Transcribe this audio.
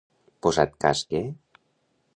Posat cas que.